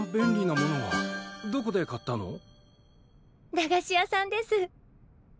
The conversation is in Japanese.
駄菓子屋さんです。